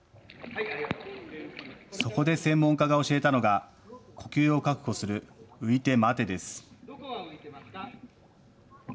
そこで専門家が教えたのが呼吸を確保する、ういてまてです。